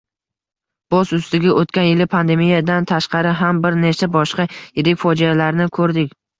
Boz ustiga oʻtgan yili pandemiyadan tashqari ham bir nechta boshqa yirik fojialarni koʻrdik.